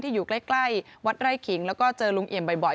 อยู่ใกล้วัดไร่ขิงแล้วก็เจอลุงเอี่ยมบ่อย